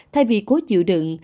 thay vì cố chịu đựng